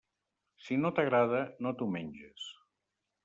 Si no t'agrada, no t'ho menges.